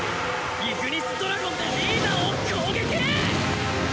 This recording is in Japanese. イグニスドラゴンでリーダーを攻撃！